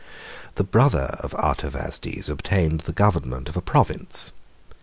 The brother of Artavasdes obtained the government of a province.